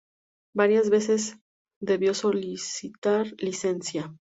Varias veces debió solicitar licencia.